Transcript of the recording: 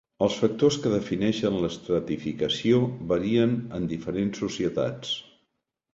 Els factors que defineixen l'estratificació varien en diferents societats.